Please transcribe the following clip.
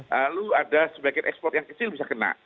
lalu ada sebagian ekspor yang kecil bisa kena